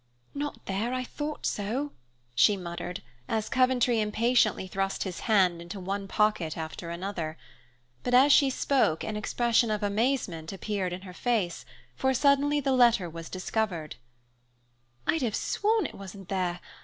"Not there, I thought so!" she muttered, as Coventry impatiently thrust his hand into one pocket after another. But as she spoke, an expression of amazement appeared in her face, for suddenly the letter was discovered. "I'd have sworn it wasn't there!